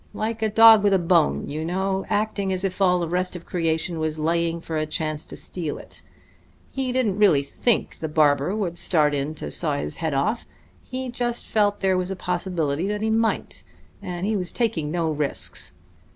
Like a dog with a bone, you know, acting as if all the rest of creation was laying for a chance to steal it. He didn't really think the barber would start in to saw his head off; he just felt there was a possibility that he might, and he was taking no risks.